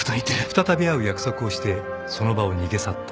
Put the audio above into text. ［再び会う約束をしてその場を逃げ去った。